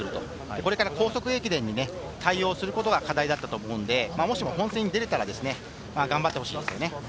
これから高速駅伝に対応することが課題だと思うので本戦に出られたら頑張ってほしいです。